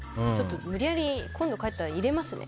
無理やり、今度帰ったら入れますね。